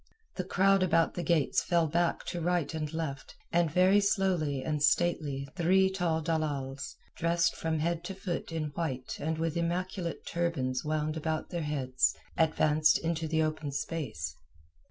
The crowd about the gates fell back to right and left, and very slowly and stately three tall dalals, dressed from head to foot in white and with immaculate turbans wound about their heads, advanced into the open space.